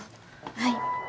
はい。